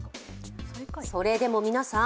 それでも、皆さん。